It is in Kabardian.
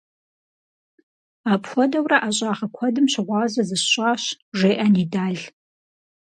- Апхуэдэурэ ӀэщӀагъэ куэдым щыгъуазэ зысщӀащ, - жеӀэ Нидал.